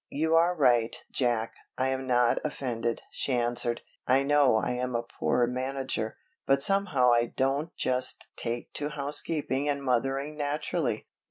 "You are right, Jack, I am not offended," she answered. "I know I am a poor manager, but somehow I don't just take to housekeeping and mothering naturally.